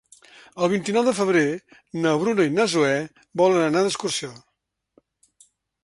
El vint-i-nou de febrer na Bruna i na Zoè volen anar d'excursió.